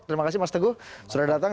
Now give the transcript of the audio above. terima kasih mas teguh sudah datang